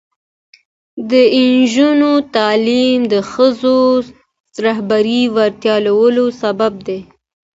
د نجونو تعلیم د ښځو رهبري وړتیا لوړولو سبب دی.